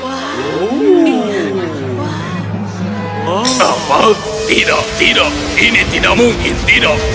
kenapa tidak tidak ini tidak mungkin tidak